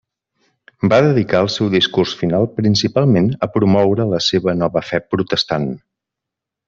Va dedicar el seu discurs final principalment a promoure la seva nova fe protestant.